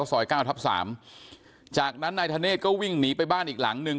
ซอย๙ทับ๓จากนั้นไทยเทนชัยก็วิ่งหนีไปบ้านอีกหลังหนึ่ง